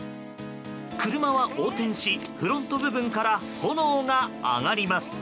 車は横転し、フロント部分から炎が上がります。